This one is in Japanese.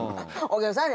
お客さん